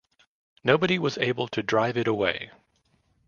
Nobody was able to drive it away.